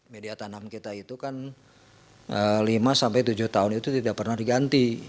media tanam kita itu kan lima sampai tujuh tahun itu tidak pernah diganti